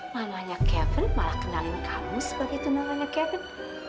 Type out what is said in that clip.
namanya kevin malah kenalin kamu sebagai tunangannya kevin